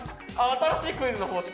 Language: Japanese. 新しいクイズの方式